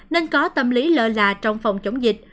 nên có tâm lý lơ là trong phòng chống dịch